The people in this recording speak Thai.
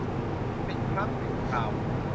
เป็นครั้งเป็นคราว